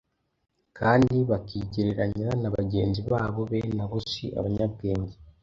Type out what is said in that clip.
kandi bakigereranya na bagenzi babo, bene abo si abanyabwenge.